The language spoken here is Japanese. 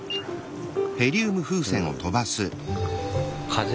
風？